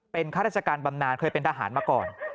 เป็นข้าราชการบำนานเคยเป็นทหารมาก่อน